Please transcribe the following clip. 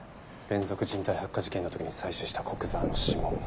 連続人体発火事件の時に採取した古久沢の指紋